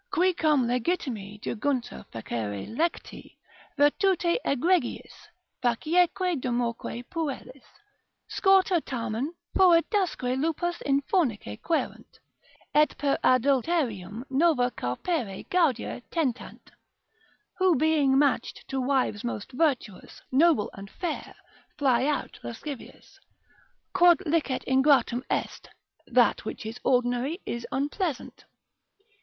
Qui cum legitimi junguntur fccdere lecti, Virtute egregiis, facieque domoque puellis, Scorta tamen, foedasque lupas in fornice quaerunt, Et per adulterium nova carpere gaudia tentant. Who being match'd to wives most virtuous, Noble, and fair, fly out lascivious. Quod licet ingratum est, that which is ordinary, is unpleasant.